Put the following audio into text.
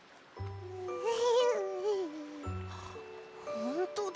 ほんとだ。